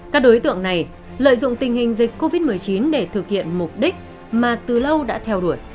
các đối tượng này lợi dụng tình hình dịch covid một mươi chín để thực hiện mục đích mà từ lâu đã theo đuổi